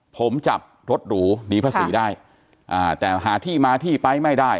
ผมจับรถหรูหนีภาษีได้อ่าแต่หาที่มาที่ไปไม่ได้